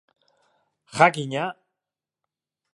Jakina!